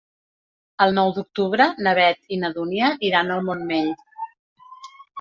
El nou d'octubre na Beth i na Dúnia iran al Montmell.